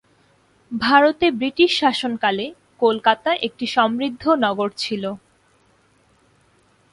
ভারতে ব্রিটিশ শাসনকালে, কলকাতা একটি সমৃদ্ধ নগর ছিল।